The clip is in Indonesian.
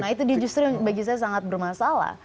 nah itu dia justru yang bagi saya sangat bermasalah